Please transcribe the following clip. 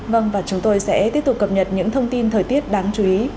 vâng và chúng tôi sẽ tiếp tục cập nhật những thông tin thời tiết đáng chú ý